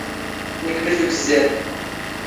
ⵏⴽⵎⵍ ⴷ ⵓⴳⵣⵣⴰⵔ.